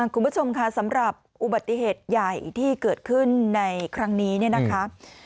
คุณผู้ชมค่ะสำหรับอุบัติเหตุใหญ่ที่เกิดขึ้นในครั้งนี้เนี่ยนะคะ